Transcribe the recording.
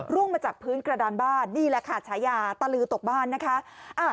มาจากพื้นกระดานบ้านนี่แหละค่ะฉายาตะลือตกบ้านนะคะ